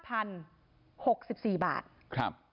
ซึ่งเงินจะเข้าเวรนี่ค่ะ